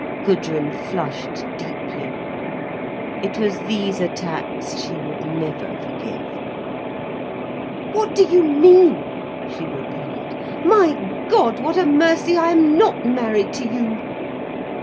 Gudrun flushed deeply. It was these attacks she would never forgive. "What do you mean?" she replied. "My God, what a mercy I am not married to you!"